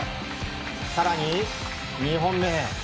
更に、２本目。